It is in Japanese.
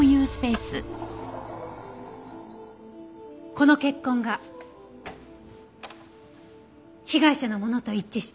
この血痕が被害者のものと一致した。